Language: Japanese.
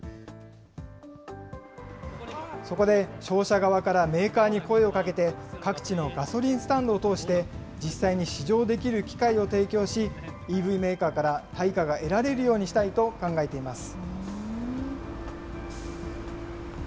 そこで、商社側からメーカーに声をかけて、各地のガソリンスタンドを通して、実際に試乗できる機会を提供し、ＥＶメーカーから対価が得られるようにしたいと考えています。